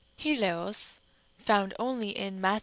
ἵλεως (found only in Matt.